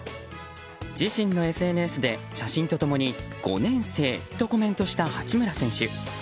自身のＳＮＳで写真と共に「５年生」とコメントした八村選手。